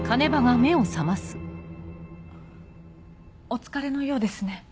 お疲れのようですね。